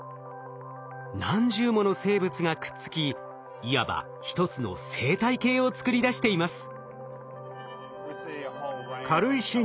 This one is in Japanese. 何十もの生物がくっつきいわばひとつの生態系を作り出しています。